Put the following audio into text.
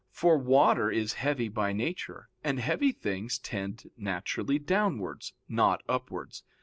For water is heavy by nature, and heavy things tend naturally downwards, not upwards.